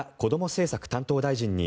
政策担当大臣に